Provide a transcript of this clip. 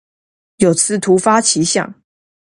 有次突發奇想